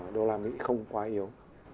đô la mỹ không quá yếu